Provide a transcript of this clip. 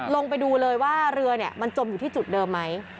ลงไปดูเลยว่าเรือมันจมอยู่ที่จุดเดิมไหม